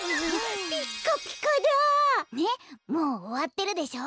ねっもうおわってるでしょ？